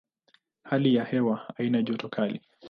Hali ya hewa haina joto kali.